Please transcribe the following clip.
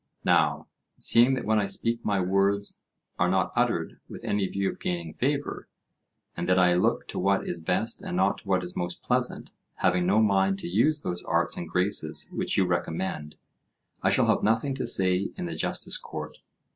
Now, seeing that when I speak my words are not uttered with any view of gaining favour, and that I look to what is best and not to what is most pleasant, having no mind to use those arts and graces which you recommend, I shall have nothing to say in the justice court.